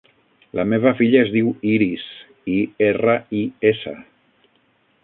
La meva filla es diu Iris: i, erra, i, essa.